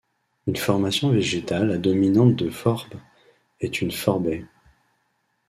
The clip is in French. Une formation végétale à dominante de phorbes est une phorbaie.